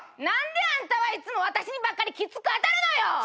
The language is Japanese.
何であんたはいつも私にばっかりきつく当たるのよ！